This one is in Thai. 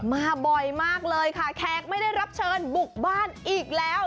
มาบ่อยมากเลยค่ะแขกไม่ได้รับเชิญบุกบ้านอีกแล้ว